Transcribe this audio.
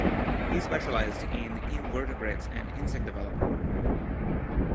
He specialized in invertebrates and insect development.